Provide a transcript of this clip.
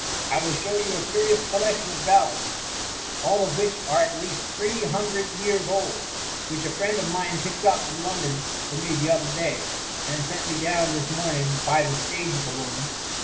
I will show you a curious collection of ballads, all of which are at least three hundred years old, which a friend of mine picked up in London for me the other day, and sent me down this morning by the stage balloon.